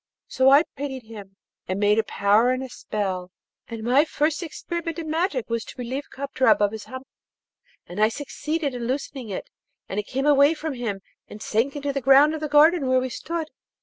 So I pitied him, and made a powder and a spell, and my first experiment in magic was to relieve Kadrab of his hump, and I succeeded in loosening it, and it came away from him, and sank into the ground of the garden where we stood.